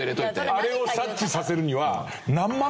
あれを察知させるには。